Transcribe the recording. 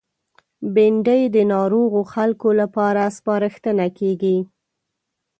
بېنډۍ د ناروغو خلکو لپاره سپارښتنه کېږي